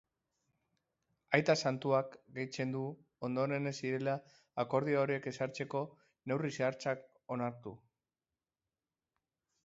Aita santuak gehitzen du ondoren ez zirela akordio horiek ezartzeko neurri zehatzak onartu.